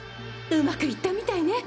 上手くいったみたいね。